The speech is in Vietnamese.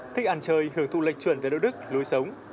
thích ăn chơi hưởng thụ lệch chuẩn về đạo đức lối sống